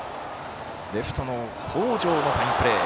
レフトの北條のファインプレー。